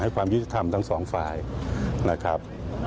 ความยุติธรรมทั้งสองฝ่ายนะครับ